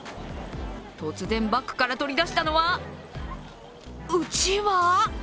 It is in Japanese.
突然、バッグから取り出したのはうちわ？